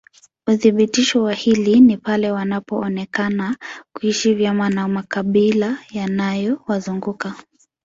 Uthibitisho wa hili ni pale wanapoonekana kuishi vyema na makabila yaliyowazunguka